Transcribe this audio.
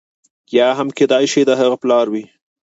یا هم کېدای شي د هغه پلار وي.